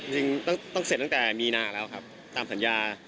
จริงต้องเสร็จตั้งแต่มีนาแล้วครับตามสัญญา